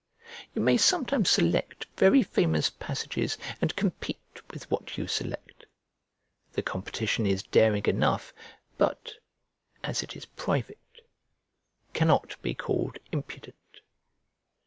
You may sometimes select very famous passages and compete with what you select. The competition is daring enough, but, as it is private, cannot be called impudent.